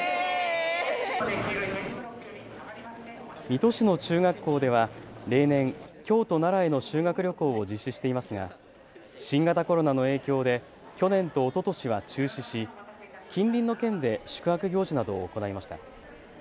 水戸市の中学校では例年、京都、奈良への修学旅行を実施していますが新型コロナの影響で去年とおととしは中止し近隣の県で宿泊行事などを行いました。